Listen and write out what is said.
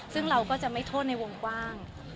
ซึ่งเราก็จะไม่โทษในวงกว้าง